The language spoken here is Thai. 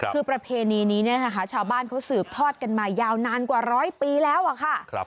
คือประเพณีนี้เนี่ยนะคะชาวบ้านเขาสืบทอดกันมายาวนานกว่าร้อยปีแล้วอะค่ะ